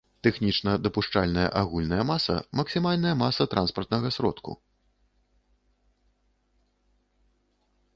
Тэхнічна дапушчальная агульная маса — максімальная маса транспартнага сродку